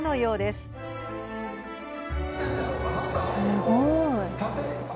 すごい。